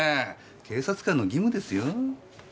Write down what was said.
警察官の義務ですよ。